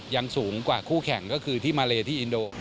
ยังสูงกว่าคู่แข่งก็คือที่มาเลที่อินโด